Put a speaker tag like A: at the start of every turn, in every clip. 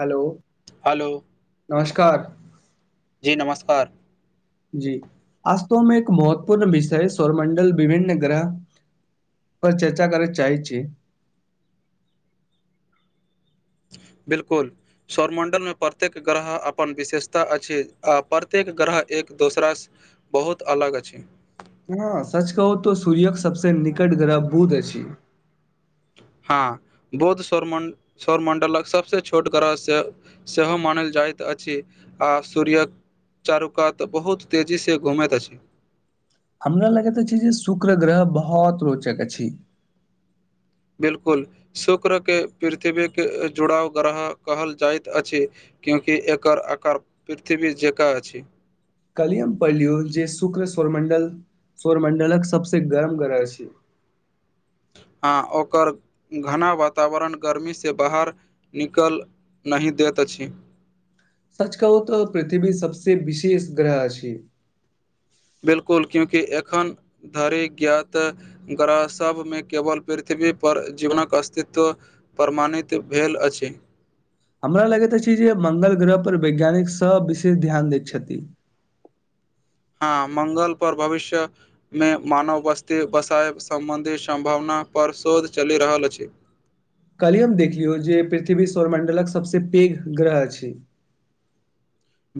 A: hello
B: hello
A: नमस्कार
B: जी नमस्कार
A: जी आस्तो मे एक महत्वपूर्ण विषय सौरमण्डल विभिन्न ग्रह पर चर्चा करैत चाहेत छी
B: बिल्कुल सौर मण्डलमे प्रत्येक ग्रह अपन विशेषता अछि आ प्रत्येक ग्रह एक दोसरा बहुत अलग अछि
A: हँ सच कहू तो सूर्य के सबसँ निकट ग्रह बूध अछि
B: हँ बौद्ध सौर मण्ड सौर मण्डलक सभसँ छोट गरहसँ सेहो मानल जाइत अछि आ सूर्य चारू कात बहुत तेजीसँ घुमैत अछि
A: हमरा लगैत अछि जे शुक्र ग्रह बहुत रोचक अछि
B: बिलकुल शुक्र के पृथ्वी के जुड़ाव ग्रह कहल जाइत अछि क्योंकि एकर आकार पृथ्वी जकाँ अछि
A: कलिहम पढ़लियो जे शुक्र सौरमंडल सौरमंडलक सबसे गर्म ग्रह छै
B: हँ ओकर घना वातावरण गरमीसँ बाहर निकल नहि देत अछि
A: सच कहुँ तऽ पृथ्वी सबसे विशेष ग्रह अछि
B: बिल्कुल क्योकि एखन धरिे ज्ञातऽ ग्रह सभमे केवल पृथ्वी पर जीवनक अस्तित्व प्रमाणित भेल अछि
A: हमरा लगैत अछि जे मंगल ग्रहपर वैज्ञानिक सभ विशेष ध्यान दैत छथि
B: हँ मंगल पर भविष्य मे मानव बस्ती बसाय सम्बन्धी सम्भावना परशोध चलि रहल अछि
A: कलहि हम देखियौ जे पृथ्वी सौर मण्डलक सभसँ पैघ ग्रह अछि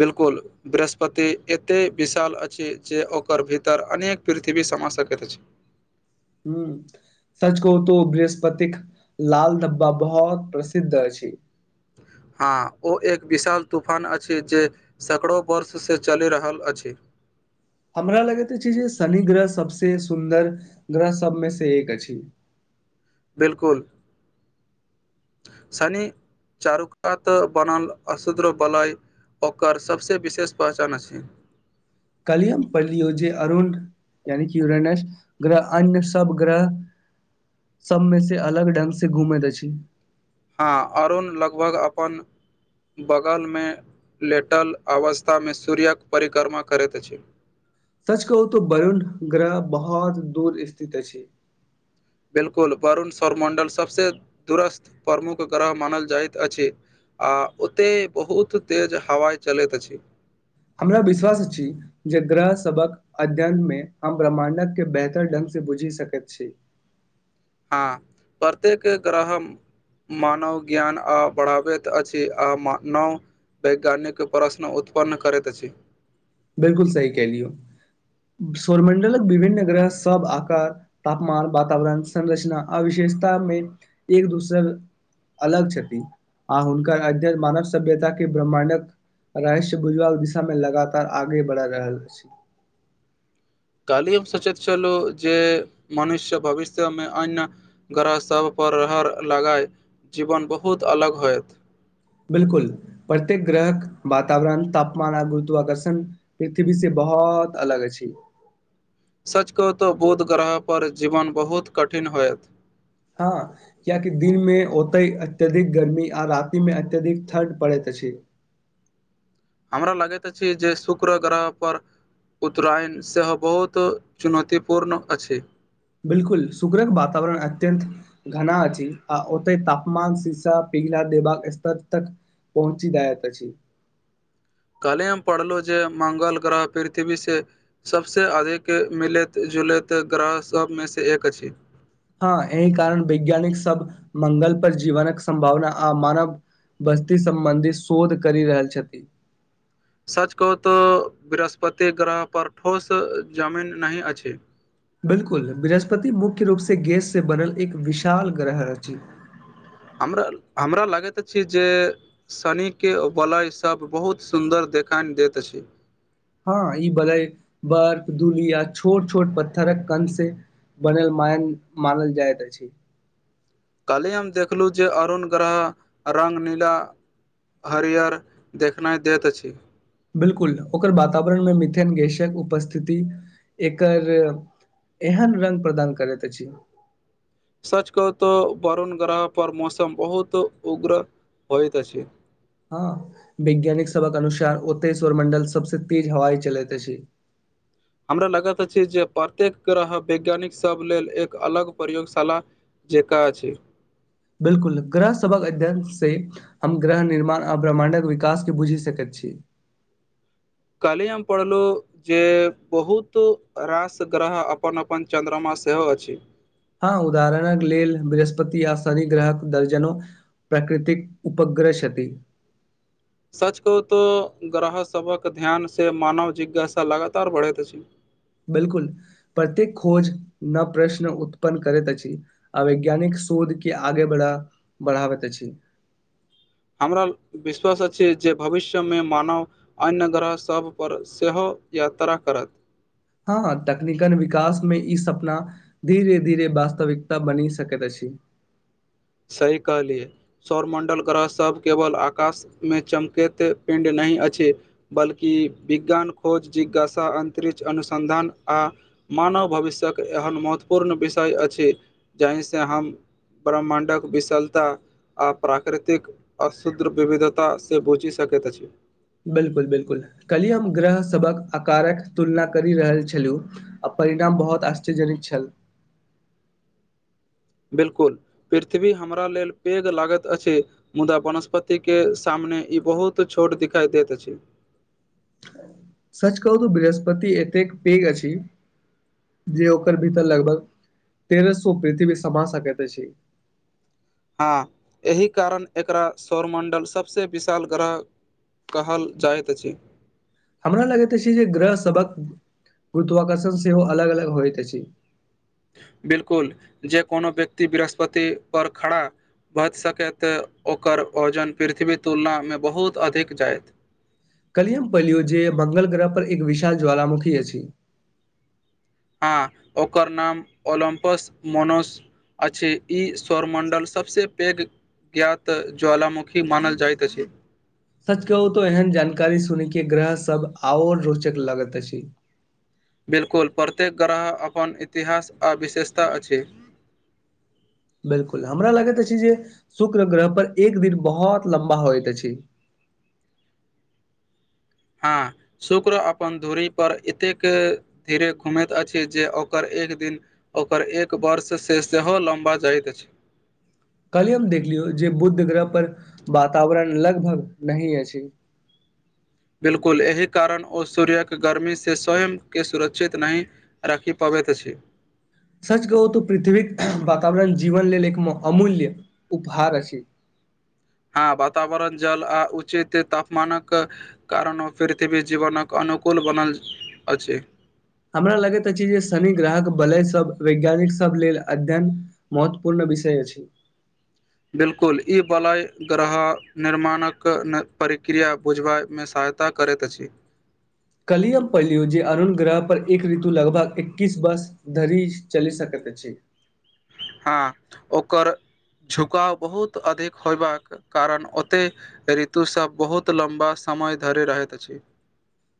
B: बिल्कुल बृहस्पति एतेक विशाल अछि जे ओकर भीतर अनेक पृथ्वी समा सकैत अछि
A: हुँ सच कहूँ त बृहस्पतिक लाल डब्बा बहुत प्रसिद्ध अछि
B: हँ ओ एक विशाल तूफान अछि जे सकड़ो वर्षसँ चलि रहल अछि
A: हमरा लगैत छै जे शनि ग्रह सबसे सुन्दर ग्रह सबमे से एक अछि
B: बिलकुल सनी चारू कात बनल अशुद्र बलइ ओकर सबसँ विशेष पहचान अछि
A: कलियम पढ़लियौ जे अरुण यानि कि युरेनस ग्रह अन्य सब ग्रह सबमे से अलग ढंग से घूमैत अछि
B: हँ अरुण लगभग अपन बगल मे लेटल अवस्थामे सूर्यके परिक्रमा करैत अछि
A: सच कहू तो वरुण ग्रह बहुत दूर स्थित अछि
B: बिल्कुल वरुण सौरमण्डल सभसँ दूुरस्त प्रमुख ग्रह मानल जाइत अछि आ ओते बहुत तेज हवाइ चलैत अछि
A: हमरा विश्वास अछि जे ग्रह सबक अध्ययन मे हम ब्रह्माण्डक के बेहतर ढंग से बुझि सकैत छी
B: हँ प्रत्येक ग्रहम मानव ज्ञान आ बढ़ाबैत अछि आ मा नव वैज्ञानिक प्रश्न उत्पन्न करैत अछि
A: बिल्कुल सही कहलियौ सौर मण्डलक विभिन्न ग्रह सब आकार तापमान वातावरण संरचना आवशेषतामे एक दूसरक अलग छथि आ हुनकर अध्यन मानव सभ्यता के ब्रह्माण्डक रहस्य भुजवाल दिशा मे लगातार आगे बढ़ा रहल अछि
B: काली हम सचेत चलू जे मनुष्य भविष्यमेमे अ्य ग्रह सभ पर रह लगाय जीवन बहुत अलग होयत
A: बिल्कुल प्रत्यक ग्रहक वातावरण तापमान आ गुरत्व आकर्षण पृथ्वी से बहुत अलग अछि
B: सच कहहु तऽ बुध ग्रहपर जीवन बहुत कठिन होयत
A: हँ किया कि दिन मे ओतय अत्यधिक गर्मी आ राति मे अत्यधिक ठण्ड पड़ैत अछि
B: हमरा लगैत अछि जे शुक्र ग्रहपर उत्तरायण सेहो बहुत चुनौतीपूर्ण अछि
A: बिल्कुल सुग्रक वातावरण अत्यन्त घना अछि आ ओते तापमान शीशा पिघलाा देब स्तर तक पहुँची जायत अछि
B: कल्हिेमे पढ़लहुँ जे मङ्गल ग्रह पृथ्वीसँ सभसँ अधिक मिलैत जुलैत ग्रह सभमेसँ एक अछि
A: हँ एहि कारण वैज्ञानिक सब मंगल पर जीवनकक संभावना आ मानव बस्ती सम्बन्धी शोध कर रहल छथि
B: सच कहू तोऽ बृहस्पति ग्रहपर ठोस जमीन नहि अछि
A: बिलकुल बृहस्पति मुख्य रूप से गैस से बनल एक विशाल ग्रह रची
B: हमरा हमरा लागैत अछि जे शनिके वलयसभ बहुत सुन्दर देखाय दैत अछि
A: हँ ई बलै बर्फ दुूली या छोट छोट पत्थरक कन से बनल मायन मानल जाइत अछि
B: काल्हि हम देखलहुँ जे अरुण ग्रह रंग नीला हरिअर देखनाइ दैत अछि
A: बिलकुल ओकर वातावरणमे मिथिलेन गसक उपस्थिति एकर एहन रंग प्रदान करैत अछि
B: सचु क तऽ वरुण ग्रहपर मौसम बहुत उग्र होइत अछि
A: हँ वैज्ञानिक सबक अनुसार ओतेस्वर मंडल सबस तेज हवाई चलेैते छै
B: हमरा लगैत अछि जे प्रत्येक ग्रह वैज्ञानिकसभ लेल एक अलग प्रयोगशाला जेका छै
A: बिलकुल ग्रह सभा अध्य्ष से हम ग्रह निर्माण आ ब्रह्माण्डक विकासके बुझि सकैत छी
B: कलियाम पड़ल जे बहुत रास ग्रह अपन अपन चन्द्रमा सेहो अछि
A: हँ उदाहरणक लेल बृहस्पति आ शनि ग्रहक दर्जनो प्रकृतिक उपग्रसति
B: सच कहु तो ग्रहसभक ध्यानसँ मानव जिज्ञासा लगातार बढ़ैत अछि
A: बिलकुल प्रत्येक खोज न प्रश्न उत्पन्न करैत छी आ वैज्ञानिक शोधके आगे बढ़ा बढ़ाबैत अछि
B: हमरा विश्वास अछि जे भविष्य मे मानव अन्य ग्रहसभपर सेहो यात्रा करत
A: हँ हँ तकनीकन विकासमे ई सपना धीरे धीरे वास्तविकता बनी सकैत अछी
B: सही कहली सौरमण्डल ग्रहसभ केवल आकाशमे चमकैत पिण्ड नहि अछि बल्कि विज्ञान खोज जिज्ञासा अन्तरिक्ष अनुसन्धान आ मानव भविष्यक्यक एहन महत्वपूर्ण विषय अछि जाहिसँ हम ब्रह्माण्ड डक विशलता आ प्राकृतिक अशुद्ध् विविधताा से बुचि सकैत अछि
A: बिलकुल बिलकुल कली हम ग्रह सभक आकारक तुलना करि रहल छलहुँ आ परिणाम बहुत आश्चर्यजनित छल
B: बिलकुल पृथ्वी हमरा लेल पैघ लागैत अछि मुदा वनस्पति के सामने ई बहुत छोट दिखाई दैत अछि
A: ह [inaudible] सच कहु बृहस्पति एतेक पेघ अछी जे ओकर भीतर लगभग तेरह सो पृथ्वी समा सकैत अछि
B: हँ एहि कारण एकरा सौरमण्डल सभसँ विशाल ग्रह कहल जाइत अछि
A: हमरा लगैत अछि जे ग्रह सबक गुरुत्वाकर्षण सेहो अलग अलग होइत अछि
B: बिल्कुल जे कोनो व्यक्ति बृहस्पति पर खड़ा भच सकैत ओकर वजन पृथ्वी तुलनामे बहुत अधिक जायत
A: कलियम पर लियो जे मंगल ग्रह पर एक विशाल ज्वालमुखी अछि
B: हँ ओकर नाम ओलम्पस मोनस अछि ई सौरमण्डल सभसँ पैघ ज्ञात ज्वलामुखी मानल जाइत अछि
A: सच कहू तो एहन जानकारी सुनी के ग्रह सब आओर रोचक लगत अछि
B: बिल्कुल प्रत्येक ग्रह अपन इतिहास आ विशेषता अछि
A: बिल्कुल हमरा लगैत अछि जे शुक्र ग्रह पर एक दिन बहुत लम्बा होइत अछि
B: हँ शुक्र अपन धूरीपर एतेक धीरे घुमैत अछि जे ओकर एक दिन ओकर एक वर्षसँ सेहो लम्बा जाइत अछि
A: कलिय हम देखलियौ जे बुध ग्रह पर वातावरण लगभग नही अछि
B: बिलकुल एहि कारण ओ सूर्यक गर्मी से स्वयं के सुरक्षित नहि राखी पाबैत अछि
A: सच कहू तऽ पृथ्वीीक वातावरण जीवन लेल एक अमूल्य उपहार अछि
B: हँ वातावरण जल आ उचित तापमानक कारण ओ पृथ्वी जीवनक अनुकूल बनल अछि
A: हमरा लगैत अछि जे शनि ग्राहक बलय सब वैज्ञानिक सब लेल अध्ययन महत्वपूर्ण विषय अछि
B: बिल्कुल ई बलय ग्रह निर्माणक प्रक्रिया बुझबामे सहाय त करैत अछि
A: कल्ही हम पढ़लियौ जे अरून ग्रह पर एक ऋतु लगभग एक्किस वर्ष धरी चलि सकत छै
B: हँ ओकर झुकाव बहुत अधिक होयबाक कारण ओतेक ऋतु सब बहुत लम्बा समय धर रहैत अछि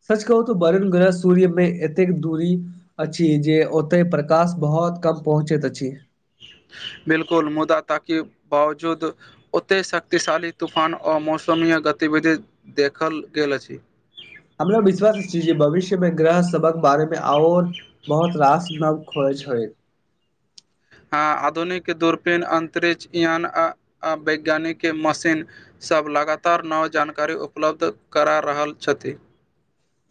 A: सच कहू त बरुण ग्रह सूर्यमें एतेक दूरी अछि जे ओते प्रकाश बहुत कम पहुंचैत अछि
B: बिलकुल मुदा ताकि बावजूद ओतेक शक्तिशाली तूफान आ मौसमीय गतिविधि देखल गेल अछि
A: हमरा विश्वास छी जे भविष्य मे ग्रह सबक बारेमे और बहुत रास न खोजय छै
B: आ आधुनिक दूरपीन अन्तरिक्ष यान आ आ वैज्ञानिक मशीन सभ लगातार नव जानकारी उपलब्ध करा रहल छथि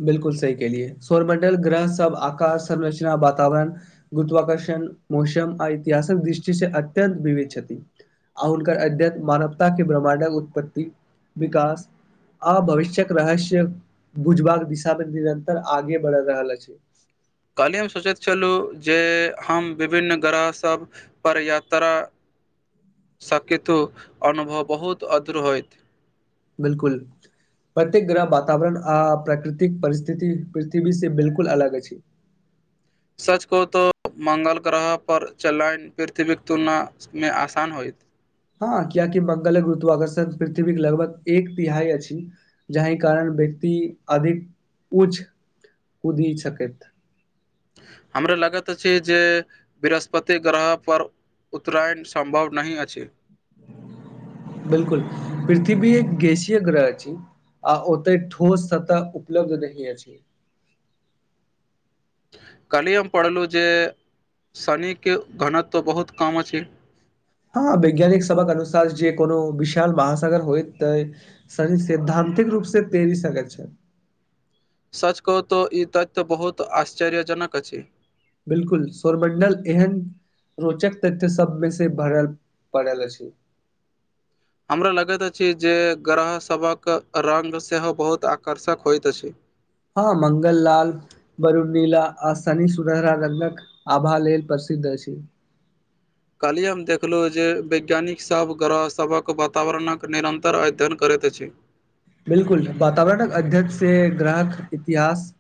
A: बिलकुल सही केेलिए सौर मण्डल ग्रह सब आकाश संरचना वातावरण गुरत्वकर्षण मौसम आ इऐतिहासक दृष्टि से अत्यन्त विविध छथि आ हुनकर अद्यतन मानवता के ब्रहमाण्डक उत्पत्ति विकास आ भविष्य्यक रहस्य भुज भाग दिशामे निरतर आगे बढ़ रहल छै
B: कहलियै हम सोचैत छलहुँ जे हम विभिन्न ग्रहसभ पर यात्रा सकतु अनुभव बहुत अधर होइत
A: बिलकुल प्रत्येक ग्रह वातावरण आ प्राकृतिक परिस्थिति पृथ्वी से बिलकुल अलग अछि
B: सच कहूं तो मंगल ग्रह पर चलाइन पृथ्वीक तुलना मे आसान होइ
A: हँ कियकि मंगलक गुरुतवि आकर्षण पृथ्वीक के लगभग एक तिहाइ अछि जहि कारण व्यक्ति अधिक उच कुदि सकत
B: हमरा लगैत अछि जे बृहस्पति ग्रहपर उत्तरायण सम्भव नहि अछि
A: बिलकुल पृथ्वी एक गेशीय ग्रह अछि आ ओतेक ठोस सतह उपलब्ध नहि अछि
B: कल्हि हम पढ़लहुँ जे शनिके घनत्व बहुत कम अछि
A: हँ वैज्ञानिक सभक अनुसार जे कोनो विशाल महासागर होइत तऽ शनि सैद्धान्तिक रूप से तैरि संरक्षण
B: सच कहू तऽ ई तथ्य बहुत आश्चर्यजनक अछि
A: बिलकुल स्वरमण्डल एहन रोचक तथ्य सब मे से भरल पड़ल अछि
B: हमरा लगैत अछि जे ग्रहसभक संग सेहो बहुत आकर्षक होइत अछि
A: हँ मंगल लाल बरु नीला आ शनि सुन्दहरा रङ्गक आभा लेल प्रसिद्ध अछि
B: काल्हि हम देखलु जे वैज्ञानिक सभ ग्रह सभक वातावरणक निरन्तर अध्ययन करैत अछि
A: बिलकुल वातावरणक अध्यत से ग्राहक इतिहास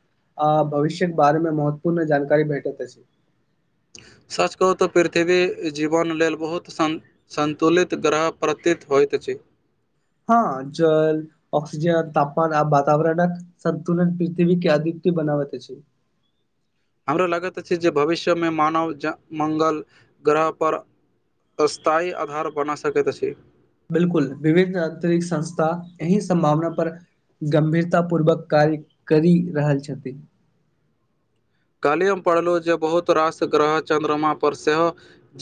A: आ भविष्य के बारेमे मे महत्वपूर्ण जानकारी भेटैत अछि
B: सच कहू तऽ पृथ्वी जीवन लेल बहुत स सन्तुलित ग्रह प्रतीत होइत अछि
A: हँ आंचल ऑक्सिजन तापमान आ वातावरणक सन्तुलन पृथ्वी के अदित बनावत छै
B: हमरा लगैत अछि जे भविष्यमे मानव जन मंगल ग्रहपर अस्थाई आधार बना सकैत अछि
A: बिलकुल विभिन आतरिक संस्था एहि संभावना पर गम्भीरता पूर्वक कार्य करि रहल छथिन
B: काल्हिमे पढ़लहुँ जे बहुत रास ग्रह चन्द्रमापर सेहो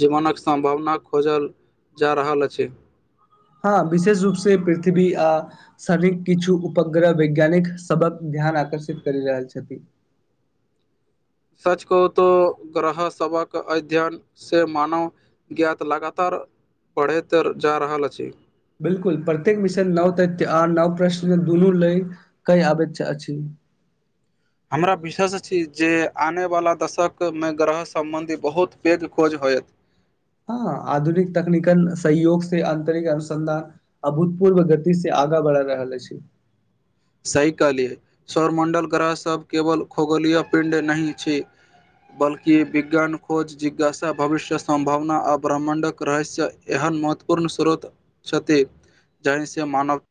B: जीवनक सम्भावना खोजल जा रहल अछि
A: हँ विशेष रूप से पृथ्वी आ सनिक किछु उपग्रह वैज्ञानिक सबक ध्यान आकर्षित कर रहल छथि
B: सच को तो ग्रह सभक अध्ययन से मानव ज्ञात लगातार बढ़ैत जा रहल अछि
A: बिलकुल प्रत्येक विषय नव तथ्य आर नव प्रश्न दुनू लय कहि आबैत अछि
B: हमरा विशेष छी जे आनवला दशकमे ग्रह सम्बन्धी बहुत पैघ खोज होयत
A: हँ आधुनिक तकनीकल सहयोग से आंतरिक अनुसन्धान अभूतपूर्व गति से आगा बढ़ा रहल अछि
B: सही कहली सौरमण्डल ग्रहसभ केवल खगोलीय पिण्ड नहि छै बल्कि विज्ञान खोज जिज्ञासा भविष्य सम्भावना आ ब्रह्मण्डके रहस्य एहन महत्वपूर्ण स्रोत छथि जहिसँ मानव